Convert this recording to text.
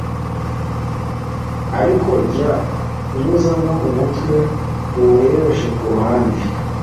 ariko jya unyuzamo umutwe uwurebeshe ku ruhande.